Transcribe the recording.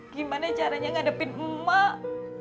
gimana caranya ngadepin emak